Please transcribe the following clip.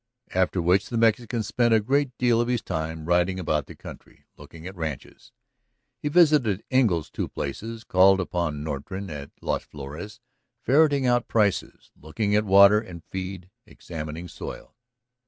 After which the Mexican spent a great deal of his time riding about the country, looking at ranches. He visited Engle's two places, called upon Norton at Las Flores, ferreting out prices, looking at water and feed, examining soil.